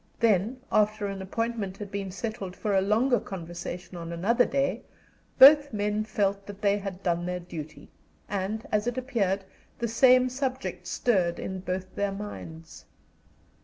Then, after an appointment had been settled for a longer conversation on another day, both men felt that they had done their duty, and, as it appeared, the same subject stirred in both their minds.